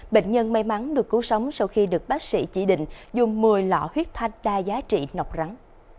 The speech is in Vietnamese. bệnh nhân may mắn được cứu sống sau khi được bác sĩ chỉ định dùng một mươi lọ huyết thanh đa giá trị nọc rắn